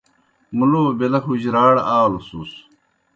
موْ بیلہ حُجراڑ آلوْسُس۔